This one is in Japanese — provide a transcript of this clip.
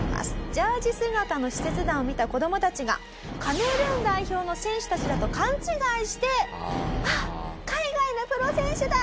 ジャージー姿の視察団を見た子どもたちがカメルーン代表の選手たちだと勘違いして「あっ海外のプロ選手だ！